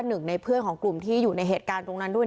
หนึ่งในเพื่อนของกลุ่มที่อยู่ในเหตุการณ์ตรงนั้นด้วย